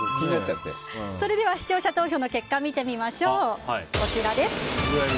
それでは視聴者投票の結果見てみましょう。